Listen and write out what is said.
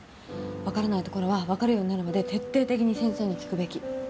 分からないところは分かるようになるまで徹底的に先生に聞くべき。